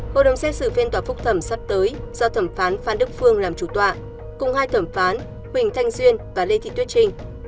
hội đồng xét xử phiên tòa phúc thẩm sắp tới do thẩm phán phan đức phương làm chủ tọa cùng hai thẩm phán huỳnh thanh duyên và lê thị tuyết trinh